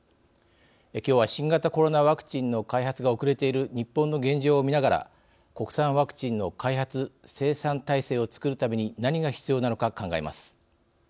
きょうは新型コロナワクチンの開発が遅れている日本の現状を見ながら国産ワクチンの開発・生産体制を作るために何が必要なのか考えます。